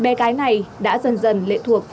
bé cái này đã dần dần lệ thuộc